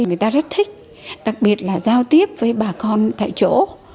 người ta rất thích đặc biệt là giao tiếp với bà con tại chỗ